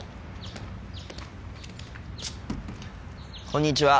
こんにちは。